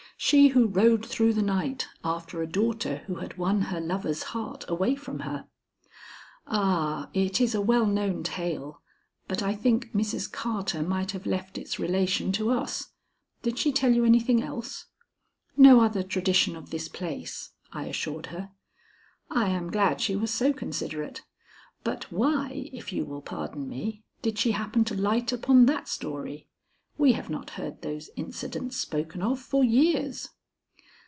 "She who rode through the night after a daughter who had won her lover's heart away from her. "Ah, it is a well known tale, but I think Mrs. Carter might have left its relation to us. Did she tell you anything else?" "No other tradition of this place," I assured her. "I am glad she was so considerate. But why if you will pardon me did she happen to light upon that story? We have not heard those incidents spoken of for years."